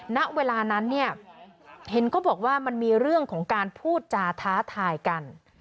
ณเวลานั้นเนี่ยเห็นก็บอกว่ามันมีเรื่องของการพูดจาท้าทายกัน